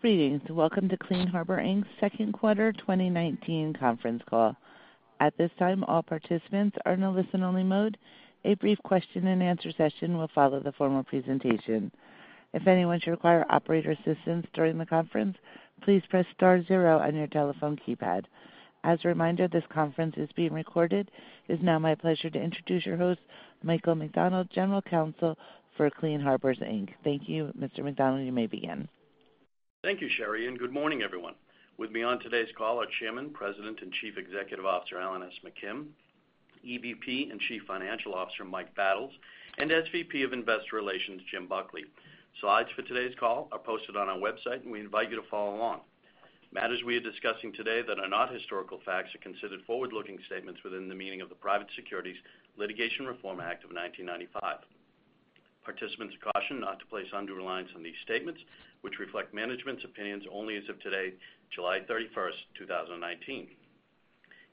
Greetings. Welcome to Clean Harbors, Inc.'s second quarter 2019 conference call. At this time, all participants are in listen only mode. A brief question and answer session will follow the formal presentation. If anyone should require operator assistance during the conference, please press star zero on your telephone keypad. As a reminder, this conference is being recorded. It is now my pleasure to introduce your host, Michael McDonald, General Counsel for Clean Harbors, Inc. Thank you, Mr. McDonald, you may begin. Thank you, Sherry, and good morning, everyone. With me on today's call are Chairman, President, and Chief Executive Officer, Alan S. McKim, EVP and Chief Financial Officer, Mike Battles, and SVP of Investor Relations, Jim Buckley. Slides for today's call are posted on our website, and we invite you to follow along. Matters we are discussing today that are not historical facts are considered forward-looking statements within the meaning of the Private Securities Litigation Reform Act of 1995. Participants are cautioned not to place undue reliance on these statements, which reflect management's opinions only as of today, July 31, 2019.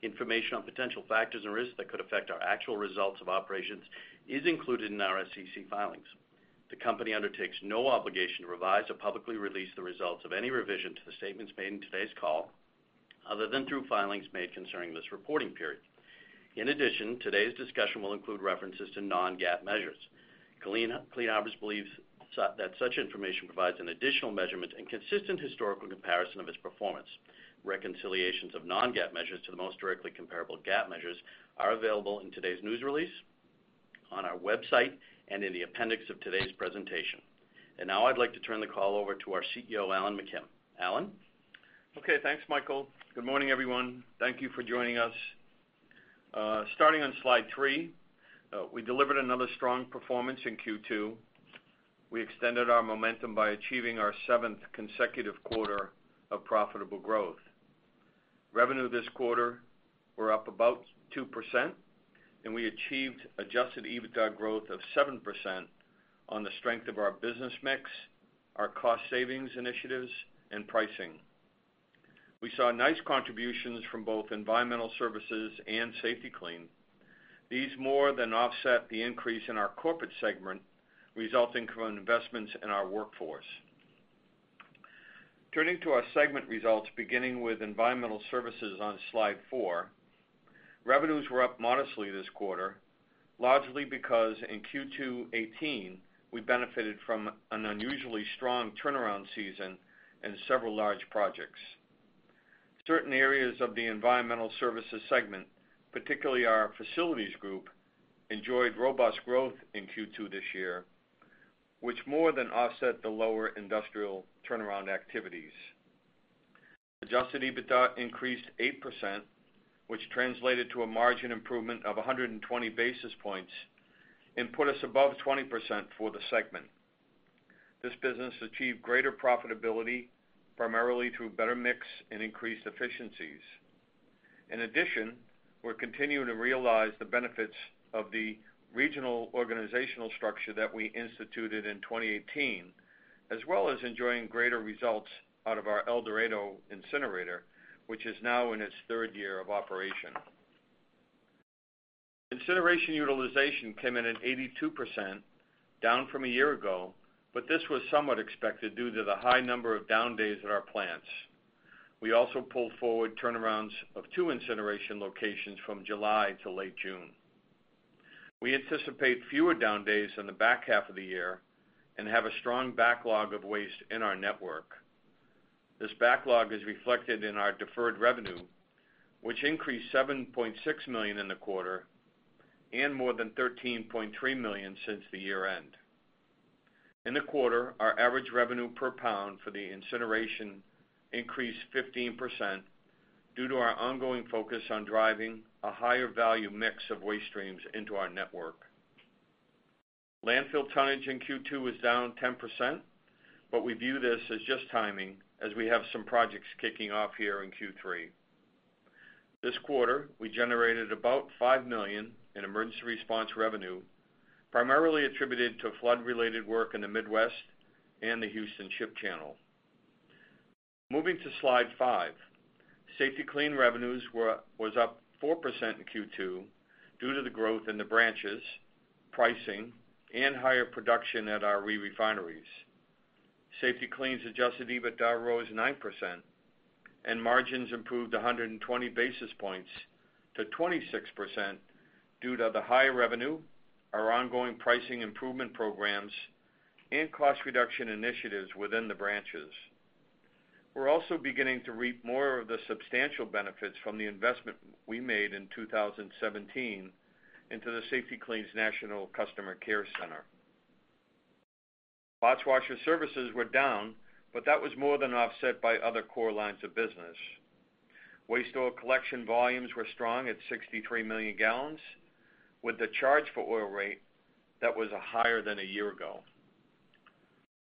Information on potential factors and risks that could affect our actual results of operations is included in our SEC filings. The company undertakes no obligation to revise or publicly release the results of any revision to the statements made in today's call other than through filings made concerning this reporting period. Today's discussion will include references to non-GAAP measures. Clean Harbors believes that such information provides an additional measurement and consistent historical comparison of its performance. Reconciliations of non-GAAP measures to the most directly comparable GAAP measures are available in today's news release, on our website, and in the appendix of today's presentation. Now I'd like to turn the call over to our CEO, Alan McKim. Alan? Okay, thanks, Michael. Good morning, everyone. Thank you for joining us. Starting on slide three, we delivered another strong performance in Q2. We extended our momentum by achieving our seventh consecutive quarter of profitable growth. Revenue this quarter, we're up about 2%, and we achieved adjusted EBITDA growth of 7% on the strength of our business mix, our cost savings initiatives, and pricing. We saw nice contributions from both Environmental Services and Safety-Kleen. These more than offset the increase in our corporate segment, resulting from investments in our workforce. Turning to our segment results, beginning with Environmental Services on slide four. Revenues were up modestly this quarter, largely because in Q2 2018, we benefited from an unusually strong turnaround season and several large projects. Certain areas of the Environmental Services segment, particularly our facilities group, enjoyed robust growth in Q2 this year, which more than offset the lower industrial turnaround activities. Adjusted EBITDA increased 8%, which translated to a margin improvement of 120 basis points and put us above 20% for the segment. This business achieved greater profitability, primarily through better mix and increased efficiencies. In addition, we're continuing to realize the benefits of the regional organizational structure that we instituted in 2018, as well as enjoying greater results out of our El Dorado incinerator, which is now in its third year of operation. Incineration utilization came in at 82%, down from a year ago, but this was somewhat expected due to the high number of down days at our plants. We also pulled forward turnarounds of two incineration locations from July to late June. We anticipate fewer down days in the back half of the year and have a strong backlog of waste in our network. This backlog is reflected in our deferred revenue, which increased $7.6 million in the quarter and more than $13.3 million since the year-end. In the quarter, our average revenue per pound for the incineration increased 15% due to our ongoing focus on driving a higher value mix of waste streams into our network. Landfill tonnage in Q2 was down 10%, but we view this as just timing as we have some projects kicking off here in Q3. This quarter, we generated about $5 million in emergency response revenue, primarily attributed to flood-related work in the Midwest and the Houston Ship Channel. Moving to slide five. Safety-Kleen revenues was up 4% in Q2 due to the growth in the branches, pricing, and higher production at our re-refineries. Safety-Kleen's adjusted EBITDA rose 9%, and margins improved 120 basis points to 26% due to the higher revenue, our ongoing pricing improvement programs, and cost reduction initiatives within the branches. We're also beginning to reap more of the substantial benefits from the investment we made in 2017 into the Safety-Kleen's National Customer Care Center. parts washer services were down, but that was more than offset by other core lines of business. Used oil collection volumes were strong at 63 million gallons, with the charge-for-oil rate that was higher than a year ago.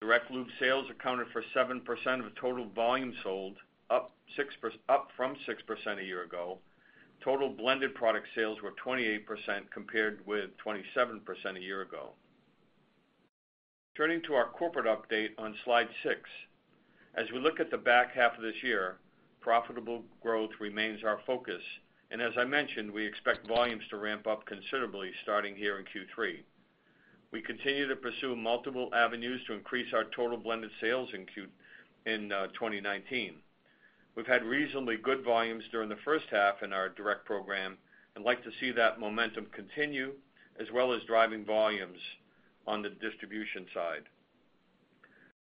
Direct lube sales accounted for 7% of total volume sold, up from 6% a year ago. Total blended product sales were 28% compared with 27% a year ago. Turning to our corporate update on slide six. As we look at the back half of this year, profitable growth remains our focus. As I mentioned, we expect volumes to ramp up considerably starting here in Q3. We continue to pursue multiple avenues to increase our total blended sales in 2019. We've had reasonably good volumes during the first half in our direct program and like to see that momentum continue, as well as driving volumes on the distribution side.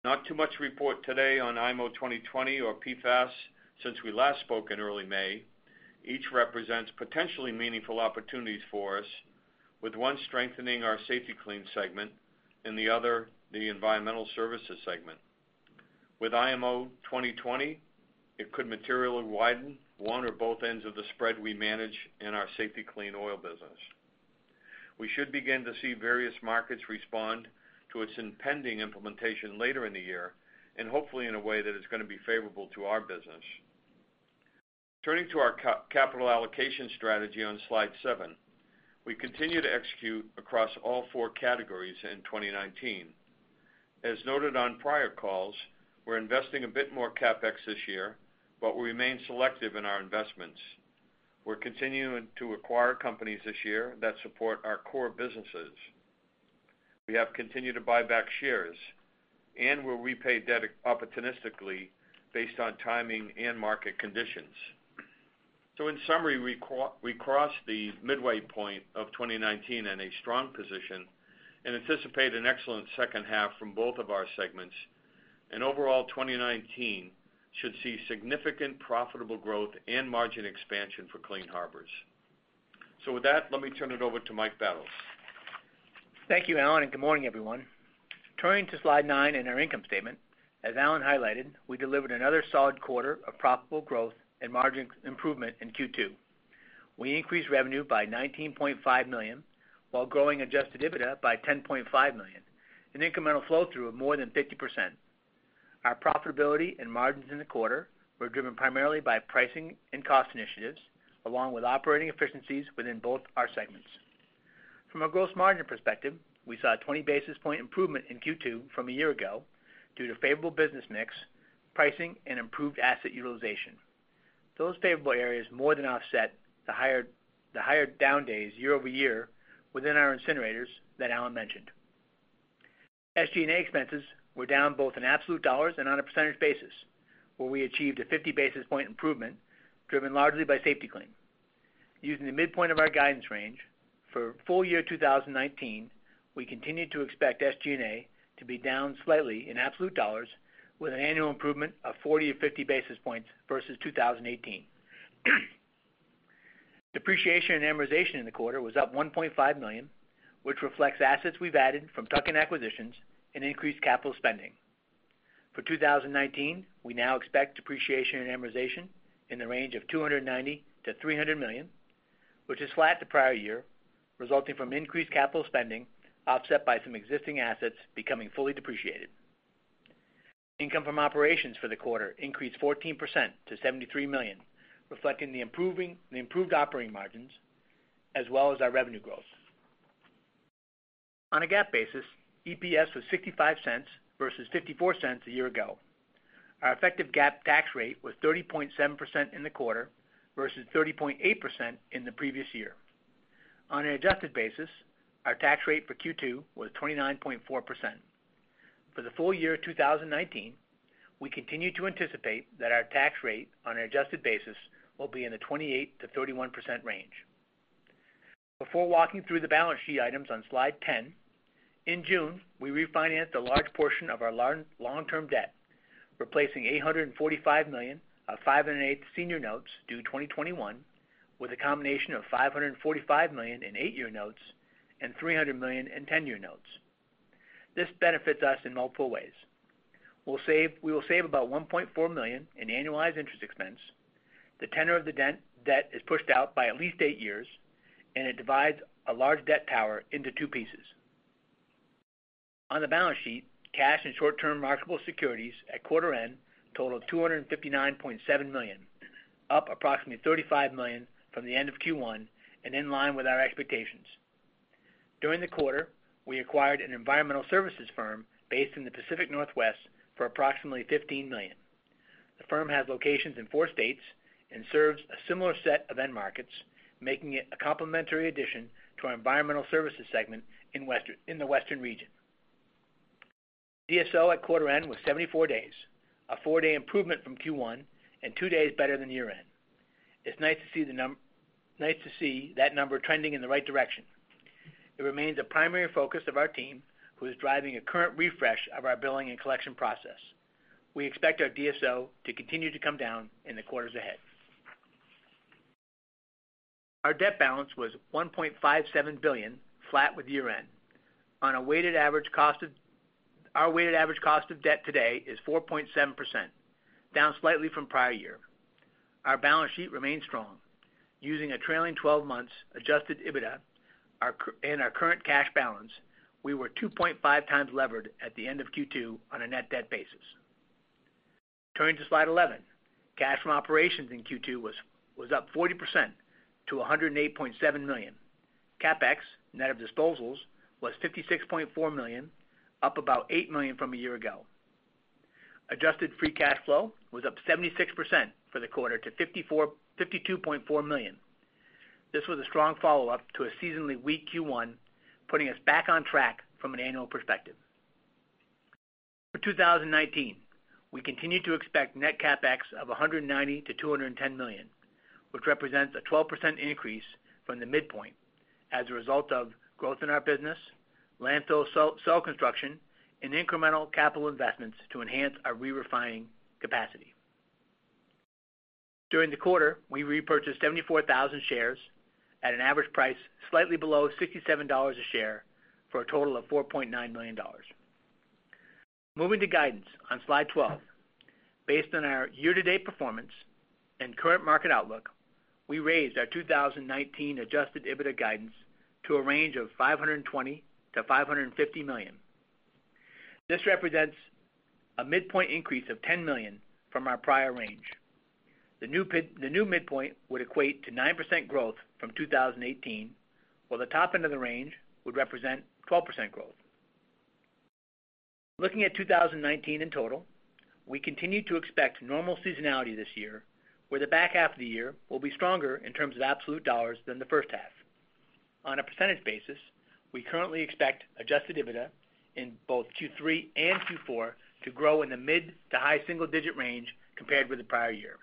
Not too much to report today on IMO 2020 or PFAS since we last spoke in early May. Each represents potentially meaningful opportunities for us, with one strengthening our Safety-Kleen segment and the other, the Environmental Services segment. With IMO 2020, it could materially widen one or both ends of the spread we manage in our Safety-Kleen Oil business. We should begin to see various markets respond to its impending implementation later in the year, and hopefully in a way that is going to be favorable to our business. Turning to our capital allocation strategy on slide seven. We continue to execute across all four categories in 2019. As noted on prior calls, we're investing a bit more CapEx this year, but we remain selective in our investments. We're continuing to acquire companies this year that support our core businesses. We have continued to buy back shares and will repay debt opportunistically based on timing and market conditions. In summary, we crossed the midway point of 2019 in a strong position and anticipate an excellent second half from both of our segments. Overall 2019 should see significant profitable growth and margin expansion for Clean Harbors. With that, let me turn it over to Mike Battles. Thank you, Alan, and good morning, everyone. Turning to slide nine in our income statement. As Alan highlighted, we delivered another solid quarter of profitable growth and margin improvement in Q2. We increased revenue by $19.5 million while growing adjusted EBITDA by $10.5 million, an incremental flow-through of more than 50%. Our profitability and margins in the quarter were driven primarily by pricing and cost initiatives, along with operating efficiencies within both our segments. From a gross margin perspective, we saw a 20-basis point improvement in Q2 from a year ago due to favorable business mix, pricing, and improved asset utilization. Those favorable areas more than offset the higher down days year-over-year within our incinerators that Alan mentioned. SG&A expenses were down both in absolute dollars and on a percentage basis, where we achieved a 50-basis point improvement, driven largely by Safety-Kleen. Using the midpoint of our guidance range for full year 2019, we continue to expect SG&A to be down slightly in absolute dollars with an annual improvement of 40 to 50 basis points versus 2018. Depreciation and amortization in the quarter was up $1.5 million, which reflects assets we've added from tuck-in acquisitions and increased capital spending. For 2019, we now expect depreciation and amortization in the range of $290 million-$300 million, which is flat to prior year, resulting from increased capital spending offset by some existing assets becoming fully depreciated. Income from operations for the quarter increased 14% to $73 million, reflecting the improved operating margins as well as our revenue growth. On a GAAP basis, EPS was $0.55 versus $0.54 a year ago. Our effective GAAP tax rate was 30.7% in the quarter versus 30.8% in the previous year. On an adjusted basis, our tax rate for Q2 was 29.4%. For the full year 2019, we continue to anticipate that our tax rate on an adjusted basis will be in the 28%-31% range. Before walking through the balance sheet items on slide 10, in June, we refinanced a large portion of our long-term debt, replacing $845 million of 5% and 8% senior notes due 2021 with a combination of $545 million in eight-year notes and $300 million in 10-year notes. This benefits us in multiple ways. We will save about $1.4 million in annualized interest expense. The tenor of the debt is pushed out by at least eight years, and it divides a large debt tower into two pieces. On the balance sheet, cash and short-term marketable securities at quarter end totaled $259.7 million, up approximately $35 million from the end of Q1 and in line with our expectations. During the quarter, we acquired an Environmental Services firm based in the Pacific Northwest for approximately $15 million. The firm has locations in four states and serves a similar set of end markets, making it a complementary addition to our Environmental Services segment in the Western region. DSO at quarter end was 74 days, a four-day improvement from Q1 and two days better than year end. It's nice to see that number trending in the right direction. It remains a primary focus of our team who is driving a current refresh of our billing and collection process. We expect our DSO to continue to come down in the quarters ahead. Our debt balance was $1.57 billion, flat with year end. Our weighted average cost of debt today is 4.7%, down slightly from prior year. Our balance sheet remains strong. Using a trailing 12 months adjusted EBITDA and our current cash balance, we were 2.5 times levered at the end of Q2 on a net debt basis. Turning to slide 11. Cash from operations in Q2 was up 40% to $108.7 million. CapEx, net of disposals, was $56.4 million, up about $8 million from a year ago. Adjusted free cash flow was up 76% for the quarter to $52.4 million. This was a strong follow-up to a seasonally weak Q1, putting us back on track from an annual perspective. For 2019, we continue to expect net CapEx of $190 million-$210 million, which represents a 12% increase from the midpoint as a result of growth in our business, landfill cell construction, and incremental capital investments to enhance our re-refining capacity. During the quarter, we repurchased 74,000 shares at an average price slightly below $67 a share for a total of $4.9 million. Moving to guidance on slide 12. Based on our year-to-date performance and current market outlook, we raised our 2019 adjusted EBITDA guidance to a range of $520 million-$550 million. This represents a midpoint increase of $10 million from our prior range. The new midpoint would equate to 9% growth from 2018, while the top end of the range would represent 12% growth. Looking at 2019 in total, we continue to expect normal seasonality this year, where the back half of the year will be stronger in terms of absolute dollars than the first half. On a percentage basis, we currently expect adjusted EBITDA in both Q3 and Q4 to grow in the mid to high single-digit range compared with the prior year.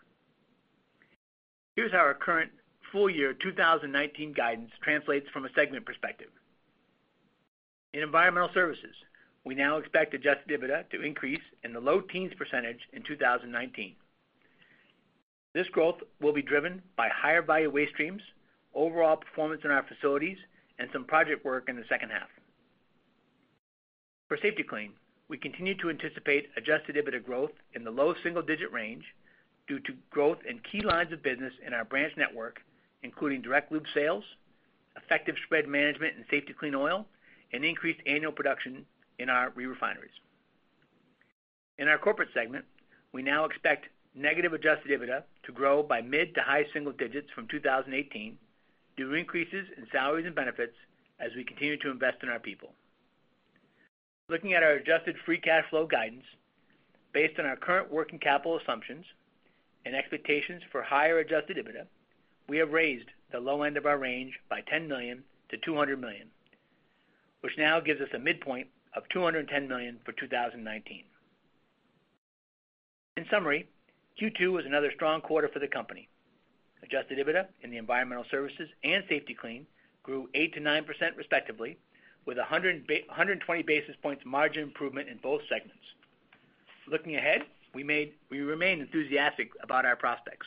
Here's how our current full-year 2019 guidance translates from a segment perspective. In Environmental Services, we now expect adjusted EBITDA to increase in the low teens percentage in 2019. This growth will be driven by higher value waste streams, overall performance in our facilities, and some project work in the second half. For Safety-Kleen, we continue to anticipate adjusted EBITDA growth in the low single-digit range due to growth in key lines of business in our branch network, including direct lube sales, effective spread management in Safety-Kleen Oil, and increased annual production in our re-refineries. In our corporate segment, we now expect negative adjusted EBITDA to grow by mid to high single digits from 2018 due to increases in salaries and benefits as we continue to invest in our people. Looking at our adjusted free cash flow guidance, based on our current working capital assumptions and expectations for higher adjusted EBITDA, we have raised the low end of our range by $10 million to $200 million, which now gives us a midpoint of $210 million for 2019. In summary, Q2 was another strong quarter for the company. Adjusted EBITDA in the Environmental Services and Safety-Kleen grew 8%-9% respectively, with 120 basis points margin improvement in both segments. Looking ahead, we remain enthusiastic about our prospects.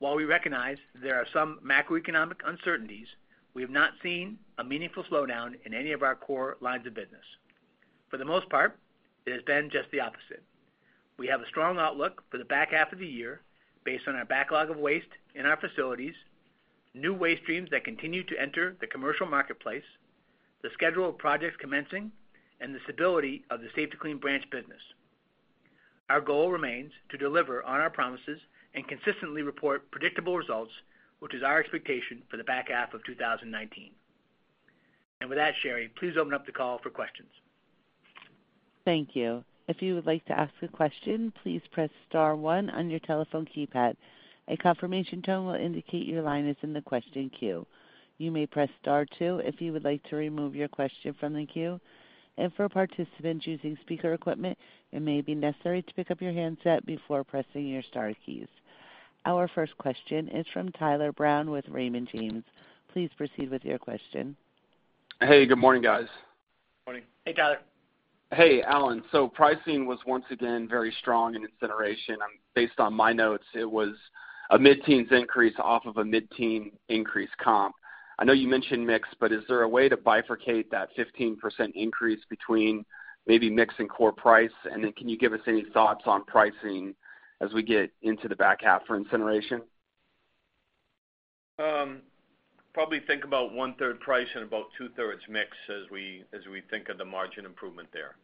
While we recognize there are some macroeconomic uncertainties, we have not seen a meaningful slowdown in any of our core lines of business. For the most part, it has been just the opposite. We have a strong outlook for the back half of the year based on our backlog of waste in our facilities, new waste streams that continue to enter the commercial marketplace, the schedule of projects commencing, and the stability of the Safety-Kleen branch business. Our goal remains to deliver on our promises and consistently report predictable results, which is our expectation for the back half of 2019. With that, Sherry, please open up the call for questions. Thank you. If you would like to ask a question, please press star one on your telephone keypad. A confirmation tone will indicate your line is in the question queue. You may press star two if you would like to remove your question from the queue. For participants using speaker equipment, it may be necessary to pick up your handset before pressing your star keys. Our first question is from Tyler Brown with Raymond James. Please proceed with your question. Hey, good morning, guys. Morning. Hey, Tyler. Hey, Alan. Pricing was once again very strong in incineration. Based on my notes, it was a mid-teens increase off of a mid-teen increase comp. I know you mentioned mix, but is there a way to bifurcate that 15% increase between maybe mix and core price? Can you give us any thoughts on pricing as we get into the back half for incineration? Probably think about one-third price and about two-thirds mix as we think of the margin improvement there.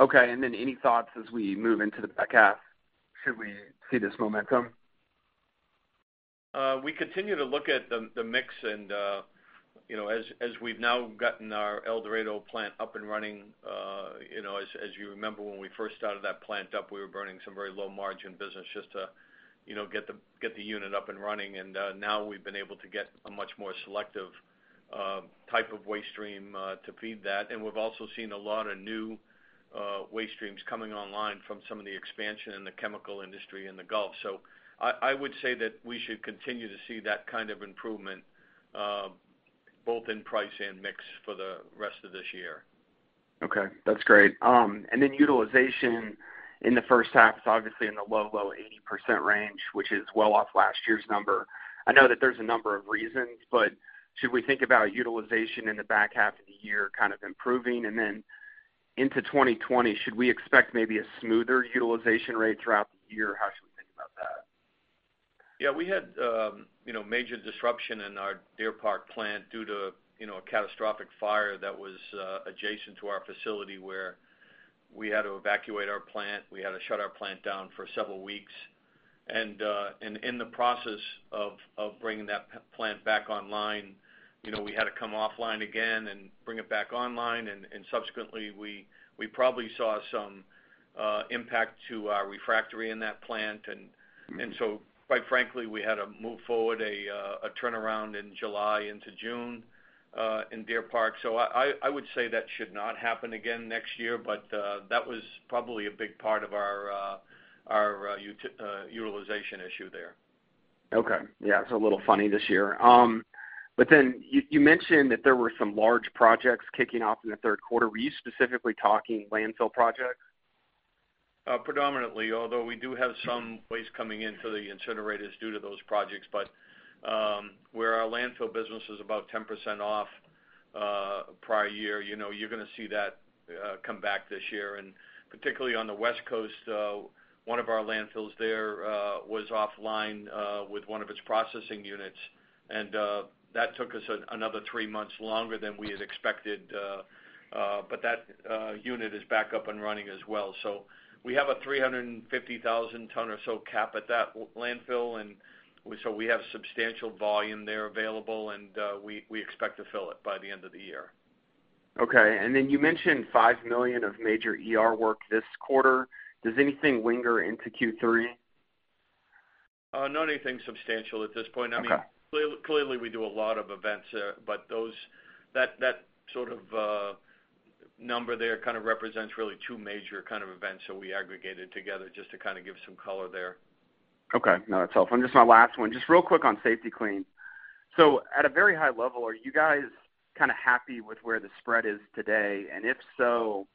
Okay. Any thoughts as we move into the back half, should we see this momentum? We continue to look at the mix. As we've now gotten our El Dorado plant up and running, as you remember, when we first started that plant up, we were burning some very low margin business just to get the unit up and running. Now we've been able to get a much more selective type of waste stream to feed that. We've also seen a lot of new waste streams coming online from some of the expansion in the chemical industry in the Gulf. I would say that we should continue to see that kind of improvement both in price and mix for the rest of this year. Okay, that's great. Utilization in the first half is obviously in the low 80% range, which is well off last year's number. I know that there's a number of reasons, should we think about utilization in the back half of the year kind of improving? Into 2020, should we expect maybe a smoother utilization rate throughout the year? How should we think about that? Yeah, we had major disruption in our Deer Park plant due to a catastrophic fire that was adjacent to our facility where we had to evacuate our plant. We had to shut our plant down for several weeks. In the process of bringing that plant back online, we had to come offline again and bring it back online, and subsequently, we probably saw some impact to our refractory in that plant. Quite frankly, we had to move forward a turnaround in July into June in Deer Park. I would say that should not happen again next year, but that was probably a big part of our utilization issue there. Okay. Yeah. It's a little funny this year. You mentioned that there were some large projects kicking off in the third quarter. Were you specifically talking landfill projects? Predominantly, although we do have some waste coming into the incinerators due to those projects. Where our landfill business is about 10% off prior year, you're going to see that come back this year. Particularly on the West Coast, one of our landfills there was offline with one of its processing units, and that took us another three months longer than we had expected. That unit is back up and running as well. We have a 350,000 ton or so cap at that landfill, we have substantial volume there available, and we expect to fill it by the end of the year. Okay. You mentioned $5 million of major ER work this quarter. Does anything linger into Q3? Not anything substantial at this point. Okay. Clearly, we do a lot of events there, but that sort of number there kind of represents really two major kind of events that we aggregated together just to kind of give some color there. Okay. No, that's helpful. Just my last one, just real quick on Safety-Kleen. At a very high level, are you guys kind of happy with where the spread is today? If so,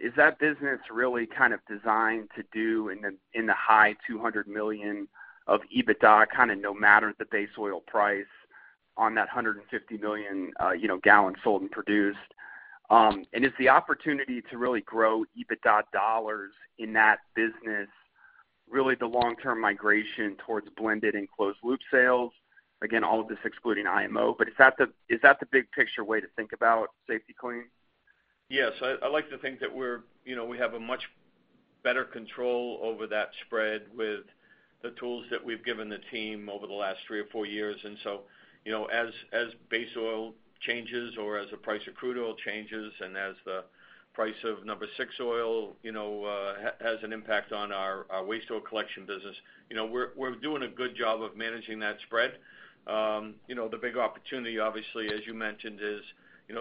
is that business really kind of designed to do in the high $200 million of EBITDA, kind of no matter the base oil price on that 150 million gallons sold and produced? Is the opportunity to really grow EBITDA dollars in that business, really the long-term migration towards blended and closed loop sales? Again, all of this excluding IMO, is that the big picture way to think about Safety-Kleen? Yes. I like to think that we have a much better control over that spread with the tools that we've given the team over the last three or four years. As base oil changes or as the price of crude oil changes, and as the price of number six oil has an impact on our waste oil collection business, we're doing a good job of managing that spread. The big opportunity, obviously, as you mentioned, is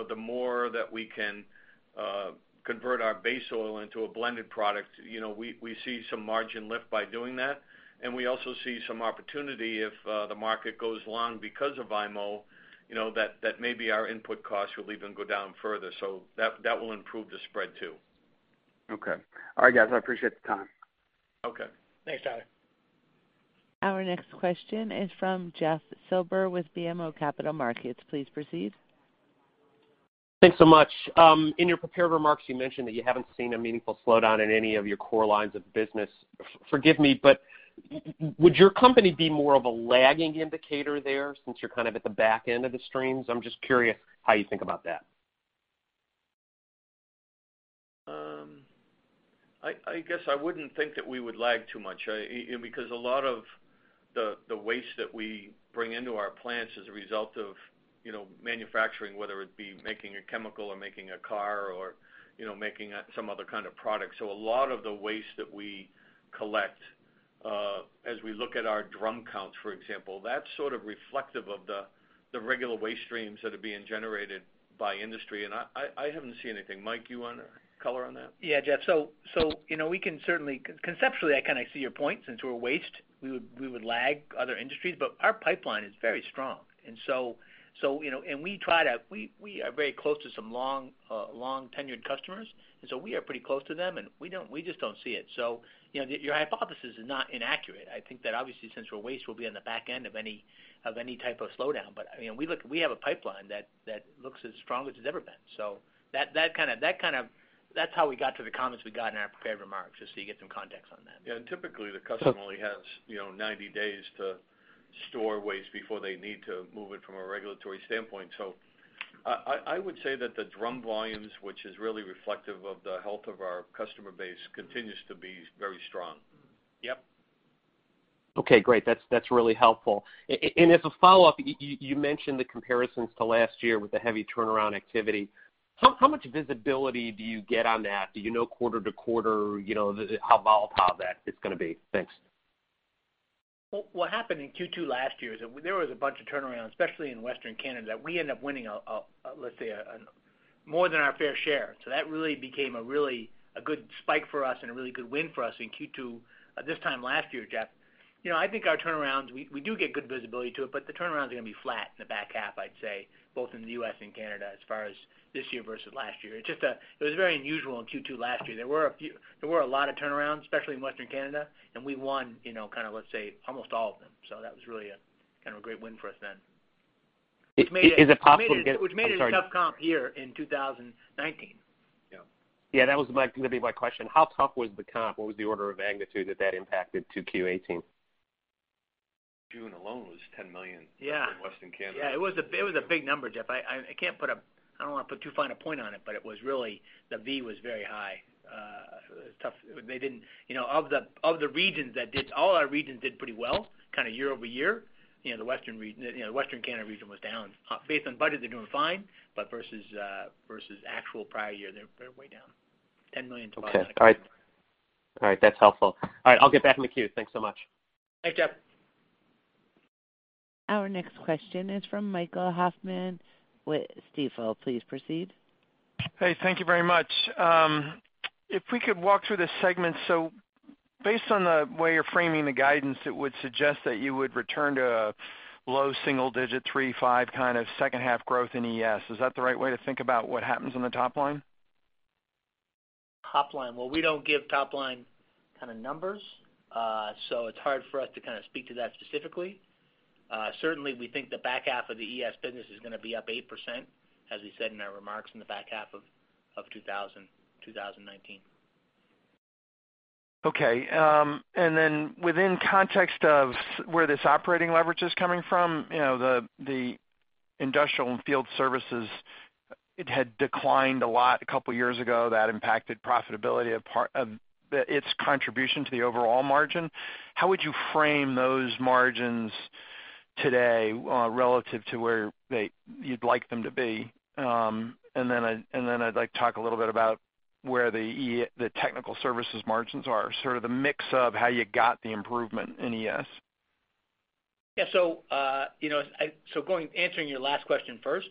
the more that we can convert our base oil into a blended product, we see some margin lift by doing that. We also see some opportunity if the market goes long because of IMO, that maybe our input costs will even go down further. That will improve the spread, too. Okay. All right, guys. I appreciate the time. Okay. Thanks, Tyler. Our next question is from Jeff Silber with BMO Capital Markets. Please proceed. Thanks so much. In your prepared remarks, you mentioned that you haven't seen a meaningful slowdown in any of your core lines of business. Forgive me, but would your company be more of a lagging indicator there since you're kind of at the back end of the streams? I'm just curious how you think about that. I guess I wouldn't think that we would lag too much. A lot of the waste that we bring into our plants is a result of manufacturing, whether it be making a chemical or making a car or making some other kind of product. A lot of the waste that we collect as we look at our drum counts, for example, that's sort of reflective of the regular waste streams that are being generated by industry, and I haven't seen anything. Mike, you want to color on that? Jeff. Conceptually, I kind of see your point. Since we're waste, we would lag other industries. Our pipeline is very strong. We are very close to some long tenured customers, we are pretty close to them, we just don't see it. Your hypothesis is not inaccurate. I think that obviously since we're waste, we'll be on the back end of any type of slowdown. We have a pipeline that looks as strong as it's ever been. That's how we got to the comments we got in our prepared remarks, just so you get some context on that. Typically the customer only has 90 days to store waste before they need to move it from a regulatory standpoint. I would say that the drum volumes, which is really reflective of the health of our customer base, continues to be very strong. Yep. Okay, great. That's really helpful. As a follow-up, you mentioned the comparisons to last year with the heavy turnaround activity. How much visibility do you get on that? Do you know quarter to quarter how volatile that is going to be? Thanks. What happened in Q2 last year is there was a bunch of turnarounds, especially in Western Canada, that we end up winning, let's say, more than our fair share. That really became a good spike for us and a really good win for us in Q2 this time last year, Jeff. I think our turnarounds, we do get good visibility to it, but the turnarounds are going to be flat in the back half, I'd say, both in the U.S. and Canada as far as this year versus last year. It was very unusual in Q2 last year. There were a lot of turnarounds, especially in Western Canada, and we won kind of, let's say, almost all of them. That was really kind of a great win for us then. Is it possible to? I'm sorry. Which made it a tough comp here in 2019. Yeah. Yeah, that was going to be my question. How tough was the comp? What was the order of magnitude that that impacted to Q2 2018? June alone was $10 million. Yeah in Western Canada. Yeah, it was a big number, Jeff. I don't want to put too fine a point on it. It was really The V was very high. All our regions did pretty well, year-over-year. The Western Canada region was down. Based on budget, they're doing fine. Versus actual prior year, they're way down, $10 million-$11 million. Okay. All right. That's helpful. All right, I'll get back in the queue. Thanks so much. Thanks, Jeff. Our next question is from Michael Hoffman with Stifel. Please proceed. Hey, thank you very much. If we could walk through the segments. Based on the way you're framing the guidance, it would suggest that you would return to a low single-digit 3%-5% kind of second half growth in ES. Is that the right way to think about what happens on the top line? Top line. Well, we don't give top line kind of numbers, so it's hard for us to speak to that specifically. Certainly, we think the back half of the ES Business is going to be up 8%, as we said in our remarks, in the back half of 2019. Okay. Within context of where this operating leverage is coming from, the industrial and field services, it had declined a lot a couple of years ago. That impacted profitability of its contribution to the overall margin. How would you frame those margins today, relative to where you'd like them to be? I'd like to talk a little bit about where the technical services margins are, sort of the mix of how you got the improvement in ES. Answering your last question first.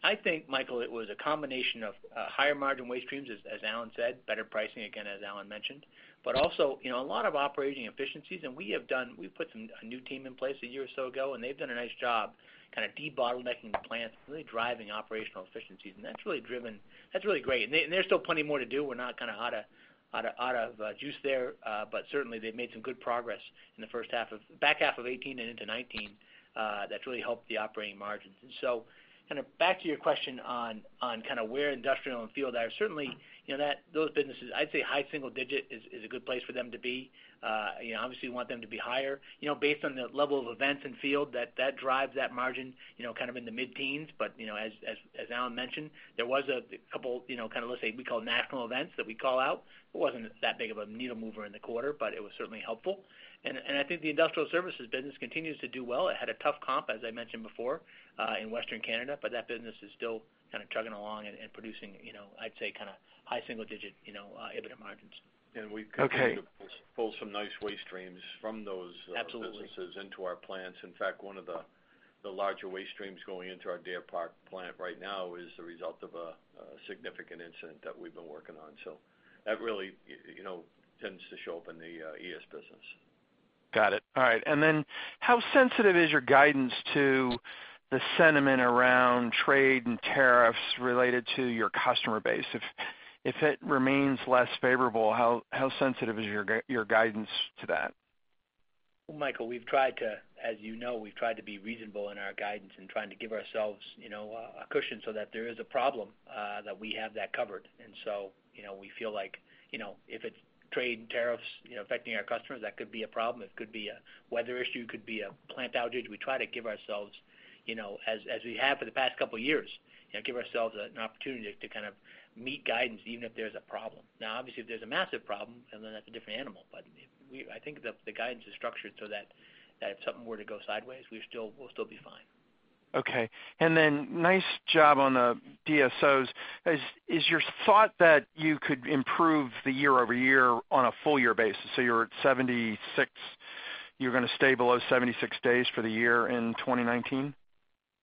I think, Michael, it was a combination of higher margin waste streams, as Alan said, better pricing, again, as Alan mentioned, but also a lot of operating efficiencies. We put a new team in place a year or so ago, and they've done a nice job de-bottlenecking the plants and really driving operational efficiencies. That's really great. There's still plenty more to do. We're not out of juice there. Certainly, they've made some good progress in the back half of 2018 and into 2019, that really helped the operating margins. Back to your question on where industrial and field are. Certainly, those businesses, I'd say high single digit is a good place for them to be. Obviously, we want them to be higher. Based on the level of events in field, that drives that margin in the mid-teens. As Alan mentioned, there was a couple, let's say, we call national events that we call out. It wasn't that big of a needle mover in the quarter, but it was certainly helpful. I think the industrial services business continues to do well. It had a tough comp, as I mentioned before, in Western Canada, but that business is still chugging along and producing, I'd say, kind of high single-digit EBITDA margins. Okay. We've continued to pull some nice waste streams from those. Absolutely businesses into our plants. In fact, one of the larger waste streams going into our Deer Park plant right now is the result of a significant incident that we've been working on. That really tends to show up in the ES business. Got it. All right. How sensitive is your guidance to the sentiment around trade and tariffs related to your customer base? If it remains less favorable, how sensitive is your guidance to that? Michael, as you know, we've tried to be reasonable in our guidance and trying to give ourselves a cushion so that if there is a problem, that we have that covered. We feel like if it's trade and tariffs affecting our customers, that could be a problem. It could be a weather issue, it could be a plant outage. We try to give ourselves, as we have for the past couple of years, an opportunity to meet guidance even if there's a problem. Obviously, if there's a massive problem, then that's a different animal. I think the guidance is structured so that if something were to go sideways, we'll still be fine. Okay. Nice job on the DSOs. Is your thought that you could improve the year-over-year on a full year basis? You're at 76. You're going to stay below 76 days for the year in 2019?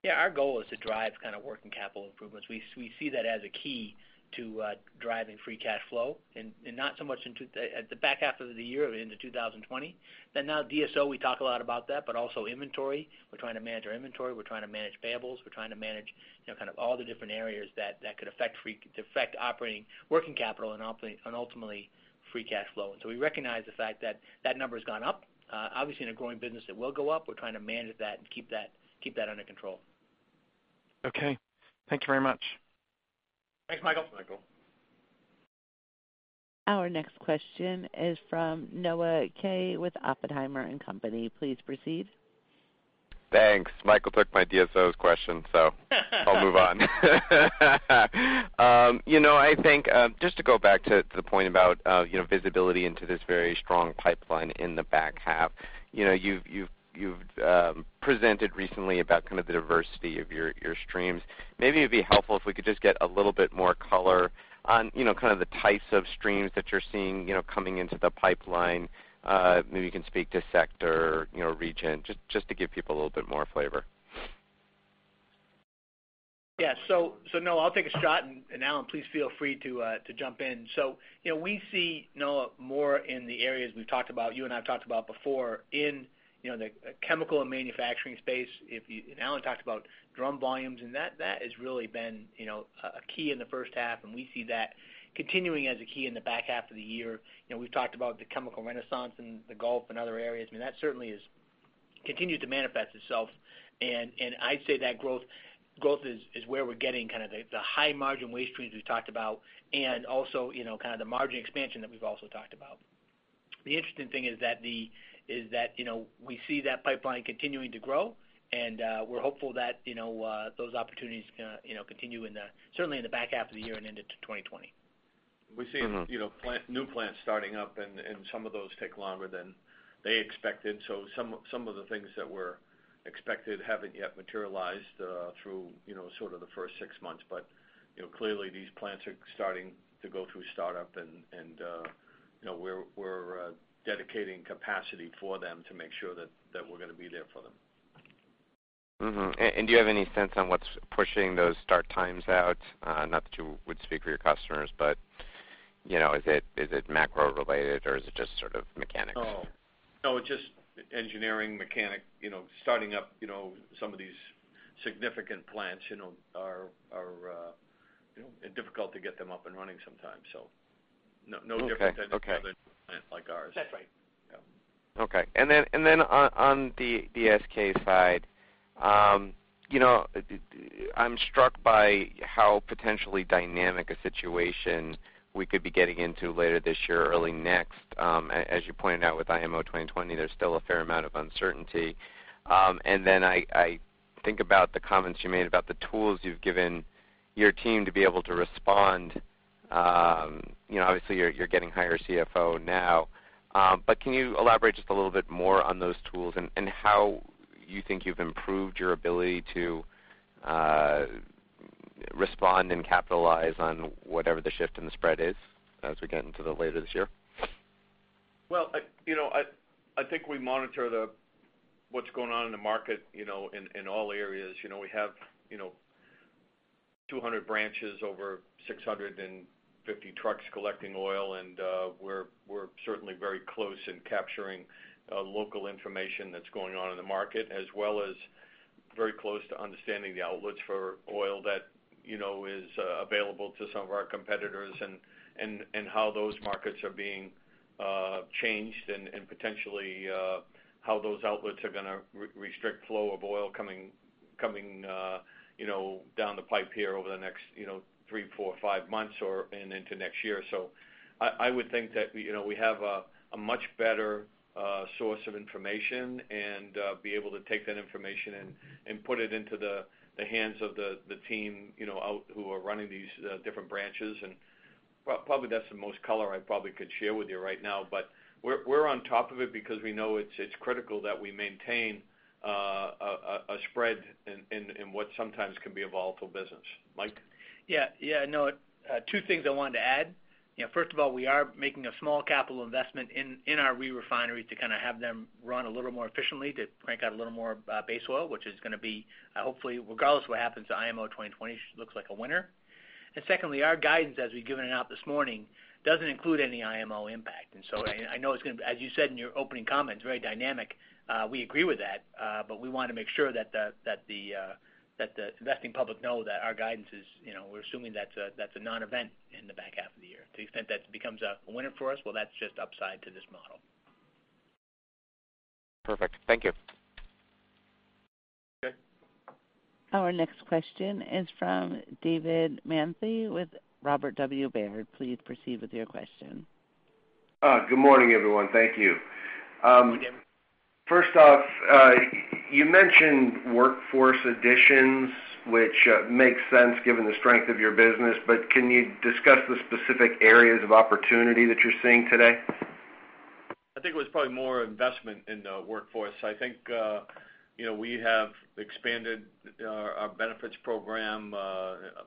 Yeah, our goal is to drive working capital improvements. We see that as a key to driving free cash flow and not so much into the back half of the year into 2020. Now DSO, we talk a lot about that, but also inventory. We're trying to manage our inventory. We're trying to manage payables. We're trying to manage all the different areas that could affect operating working capital and ultimately free cash flow. We recognize the fact that that number has gone up. Obviously, in a growing business, it will go up. We're trying to manage that and keep that under control. Okay. Thank you very much. Thanks, Michael. Thanks, Michael. Our next question is from Noah Kaye with Oppenheimer & Co. Inc. Please proceed. Thanks. Michael took my DSO question. I'll move on. I think just to go back to the point about visibility into this very strong pipeline in the back half. You've presented recently about the diversity of your streams. It'd be helpful if we could just get a little bit more color on the types of streams that you're seeing coming into the pipeline. You can speak to sector, region, just to give people a little bit more flavor. Yeah. Noah, I'll take a shot, and Alan, please feel free to jump in. We see, Noah, more in the areas we've talked about, you and I have talked about before, in the chemical and manufacturing space. Alan talked about drum volumes, and that has really been a key in the first half, and we see that continuing as a key in the back half of the year. We've talked about the chemical renaissance in the Gulf and other areas. That certainly has continued to manifest itself. I'd say that growth is where we're getting kind of the high margin waste streams we've talked about, and also kind of the margin expansion that we've also talked about. The interesting thing is that we see that pipeline continuing to grow, and we're hopeful that those opportunities continue certainly in the back half of the year and into 2020. We're seeing new plants starting up. Some of those take longer than they expected. Some of the things that were expected haven't yet materialized through sort of the first six months. Clearly, these plants are starting to go through startup, and we're dedicating capacity for them to make sure that we're going to be there for them. Mm-hmm. Do you have any sense on what's pushing those start times out? Not that you would speak for your customers, but is it macro related or is it just sort of mechanics? No, it's just engineering, mechanic. Starting up some of these significant plants are difficult to get them up and running sometimes, so no difference than any other plant like ours. That's right. Yeah. Okay. On the SK side, I'm struck by how potentially dynamic a situation we could be getting into later this year or early next. As you pointed out with IMO 2020, there's still a fair amount of uncertainty. I think about the comments you made about the tools you've given your team to be able to respond. Obviously you're getting higher CFO now. Can you elaborate just a little bit more on those tools and how you think you've improved your ability to respond and capitalize on whatever the shift in the spread is as we get into the later this year? Well, I think we monitor what's going on in the market in all areas. We have 200 branches, over 650 trucks collecting oil, and we're certainly very close in capturing local information that's going on in the market, as well as very close to understanding the outlets for oil that is available to some of our competitors, and how those markets are being changed. Potentially how those outlets are going to restrict flow of oil coming down the pipe here over the next 3, 4, 5 months or/and into next year. I would think that we have a much better source of information, and be able to take that information and put it into the hands of the team out who are running these different branches. Probably that's the most color I probably could share with you right now. We're on top of it because we know it's critical that we maintain a spread in what sometimes can be a volatile business. Mike? Yeah. No. Two things I wanted to add. First of all, we are making a small capital investment in our re-refineries to kind of have them run a little more efficiently, to crank out a little more base oil, which is going to be, hopefully, regardless of what happens to IMO 2020, looks like a winner. Secondly, our guidance, as we've given it out this morning, doesn't include any IMO impact. I know it's going to be, as you said in your opening comments, very dynamic. We agree with that. We want to make sure that the investing public know that our guidance is we're assuming that's a non-event in the back half of the year. To the extent that becomes a winner for us, well, that's just upside to this model. Perfect. Thank you. Okay. Our next question is from David Manthey with Robert W. Baird. Please proceed with your question. Good morning, everyone. Thank you. Good morning. First off, you mentioned workforce additions, which makes sense given the strength of your business. Can you discuss the specific areas of opportunity that you're seeing today? I think it was probably more investment in the workforce. I think we have expanded our benefits program,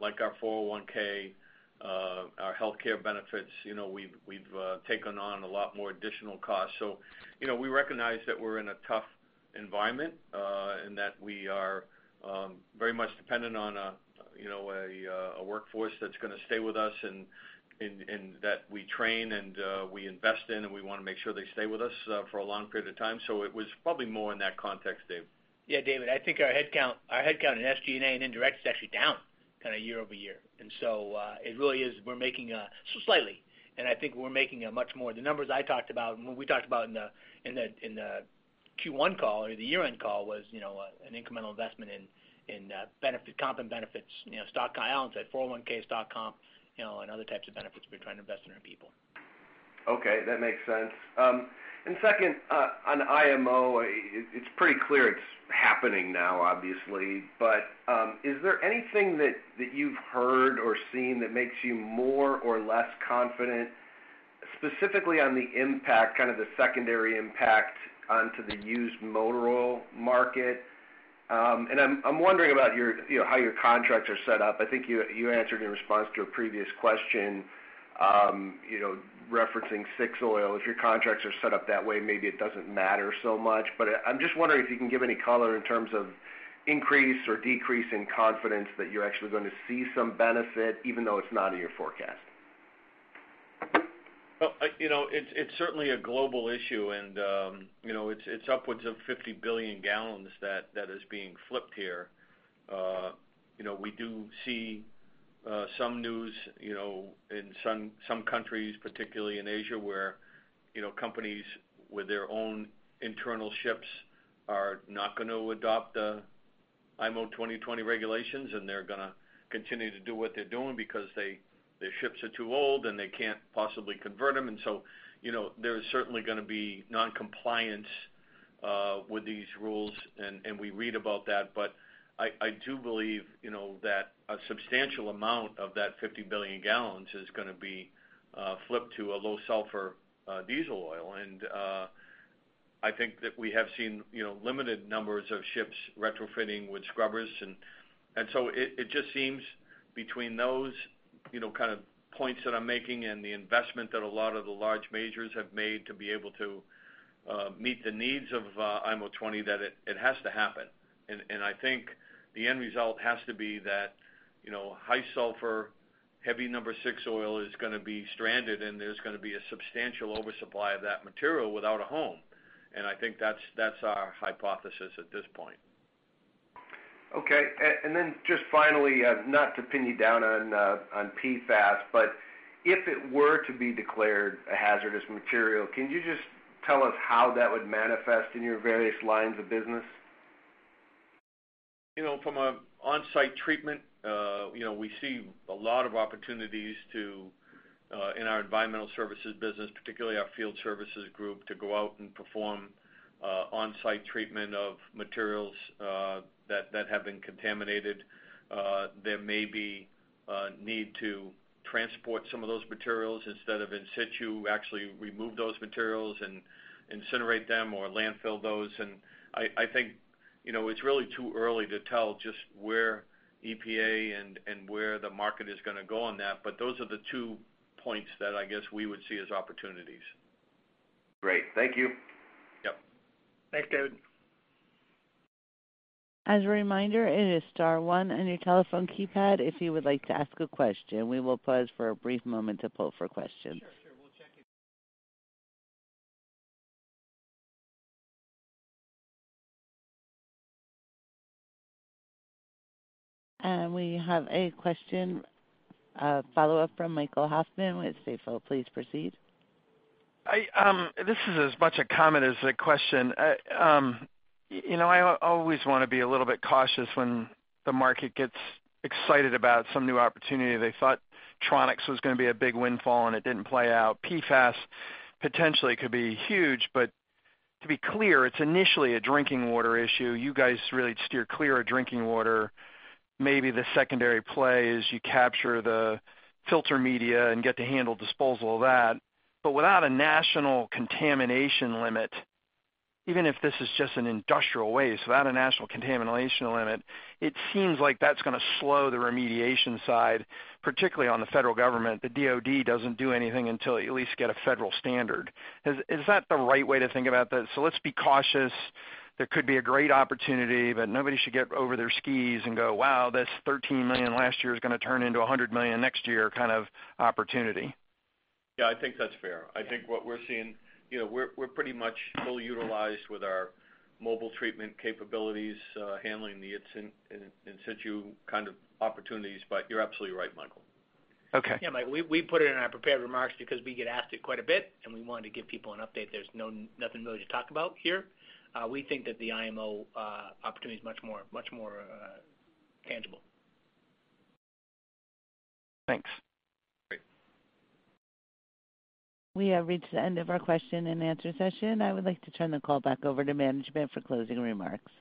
like our 401(k), our healthcare benefits. We've taken on a lot more additional costs. We recognize that we're in a tough environment, in that we are very much dependent on a workforce that's going to stay with us and that we train and we invest in, and we want to make sure they stay with us for a long period of time. It was probably more in that context, Dave. David, I think our headcount in SG&A and indirect is actually down kind of year-over-year. So slightly. The numbers I talked about, and when we talked about in the Q1 call or the year-end call was an incremental investment in comp and benefits, stock guidance at 401k stock comp, and other types of benefits we're trying to invest in our people. Okay. That makes sense. Second, on IMO, it's pretty clear it's happening now, obviously. Is there anything that you've heard or seen that makes you more or less confident, specifically on the impact, kind of the secondary impact onto the used motor oil market? I'm wondering about how your contracts are set up. I think you answered in response to a previous question referencing Safety-Kleen Oil. If your contracts are set up that way, maybe it doesn't matter so much. I'm just wondering if you can give any color in terms of increase or decrease in confidence that you're actually going to see some benefit, even though it's not in your forecast. Well, it's certainly a global issue, and it's upwards of 50 billion gallons that is being flipped here. We do see some news in some countries, particularly in Asia, where companies with their own internal ships are not going to adopt the IMO 2020 regulations, and they're going to continue to do what they're doing because their ships are too old, and they can't possibly convert them. There's certainly going to be non-compliance with these rules, and we read about that. I do believe that a substantial amount of that 50 billion gallons is going to be flipped to a low sulfur diesel oil. I think that we have seen limited numbers of ships retrofitting with scrubbers. It just seems between those kind of points that I'm making and the investment that a lot of the large majors have made to be able to meet the needs of IMO 2020, that it has to happen. I think the end result has to be that high sulfur, heavy number six oil is going to be stranded, and there's going to be a substantial oversupply of that material without a home. I think that's our hypothesis at this point. Okay. Just finally, not to pin you down on PFAS, but if it were to be declared a hazardous material, can you just tell us how that would manifest in your various lines of business? From an on-site treatment, we see a lot of opportunities to, in our Environmental Services business, particularly our field services group, to go out and perform on-site treatment of materials that have been contaminated. There may be a need to transport some of those materials instead of in situ, actually remove those materials and incinerate them or landfill those. I think it's really too early to tell just where EPA and where the market is going to go on that, but those are the two points that I guess we would see as opportunities. Great. Thank you. Yep. Thanks, David. As a reminder, it is star one on your telephone keypad if you would like to ask a question. We will pause for a brief moment to poll for questions. We have a question, a follow-up from Michael Hoffman with Stifel. Please proceed. This is as much a comment as a question. I always want to be a little bit cautious when the market gets excited about some new opportunity. They thought tronics was going to be a big windfall, and it didn't play out. PFAS potentially could be huge, but to be clear, it's initially a drinking water issue. You guys really steer clear of drinking water. Maybe the secondary play is you capture the filter media and get to handle disposal of that. Without a national contamination limit, even if this is just an industrial waste, without a national contamination limit, it seems like that's going to slow the remediation side, particularly on the federal government. The DoD doesn't do anything until you at least get a federal standard. Is that the right way to think about that? Let's be cautious. There could be a great opportunity, but nobody should get over their skis and go, "Wow. This $13 million last year is going to turn into a $100 million next year," kind of opportunity. Yeah, I think that's fair. I think what we're seeing, we're pretty much fully utilized with our mobile treatment capabilities handling the in situ kind of opportunities. You're absolutely right, Michael. Okay. Yeah, Michael, we put it in our prepared remarks because we get asked it quite a bit, and we wanted to give people an update. There's nothing really to talk about here. We think that the IMO opportunity is much more tangible. Thanks. Great. We have reached the end of our question and answer session. I would like to turn the call back over to management for closing remarks.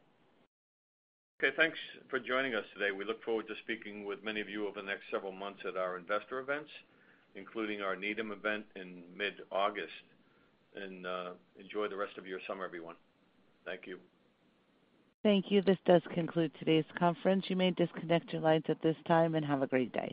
Okay. Thanks for joining us today. We look forward to speaking with many of you over the next several months at our investor events, including our Needham event in mid-August. Enjoy the rest of your summer, everyone. Thank you. Thank you. This does conclude today's conference. You may disconnect your lines at this time, and have a great day.